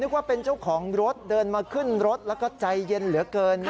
ว่าเป็นเจ้าของรถเดินมาขึ้นรถแล้วก็ใจเย็นเหลือเกิน